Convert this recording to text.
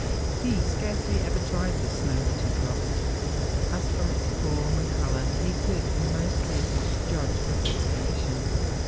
He scarcely ever tried the snow that he crossed, as from its form and colour he could in most cases judge of its condition.